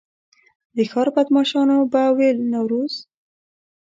د ښار بدمعاشانو به ویل نوروز.